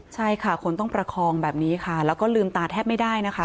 ใช่ค่ะคนต้องประคองแบบนี้ค่ะแล้วก็ลืมตาแทบไม่ได้นะคะ